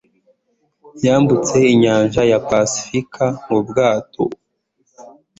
yambutse inyanja ya pasifika mu bwato